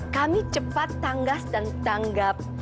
kami cepat tanggas dan tanggap